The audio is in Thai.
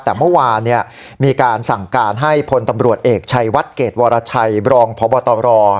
แต่เมื่อวานมีการสั่งการให้พลตำรวจเอกชัยวัดเกรดวรชัยบรองพบตร